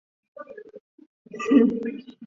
奉命稽查右翼觉罗宗学。